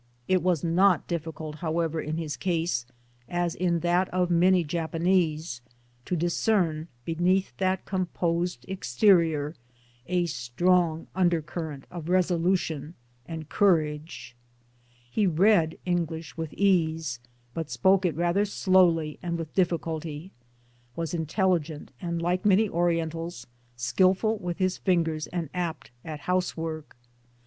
It was not difficult however in his case, as in that of many Japanese, to discern, beneath that composed exterior, a strong undercurrent of resolution and courage. He read English with ease, but spoke it rather slowly and with difficulty, was intelligent, and like many Orientals skilful with his fingers and apt at housework.